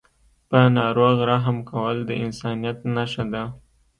په ناروغ رحم کول د انسانیت نښه ده.